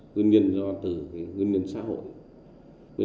nguyên nhân do từ nguyên nhân xã hội